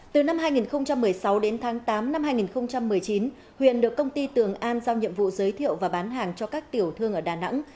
từ năm hai nghìn một mươi sáu đến tháng tám năm hai nghìn một mươi chín huyền được công ty tường an giao nhiệm vụ giới thiệu và bán hàng cho các tiểu thương ở đà nẵng